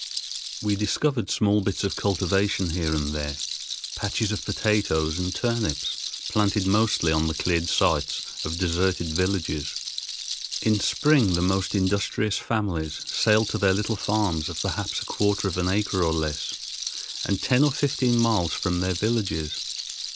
We discovered small bits of cultivation here and there, patches of potatoes and turnips, planted mostly on the cleared sites of deserted villages. In spring the most industrious families sailed to their little farms of perhaps a quarter of an acre or less, and ten or fifteen miles from their villages.